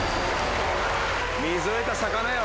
水を得た魚よ。